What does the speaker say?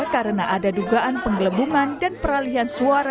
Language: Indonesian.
karena ada dugaan penggelebungan dan peralihan suara antar partai